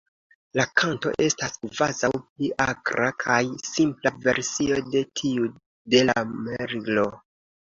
La kanto estas kvazaŭ pli akra kaj simpla versio de tiu de la Merlo.